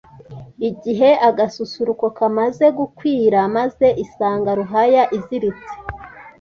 igihe agasusuruko kamaze gukwira, maze isanga Ruhaya iziritse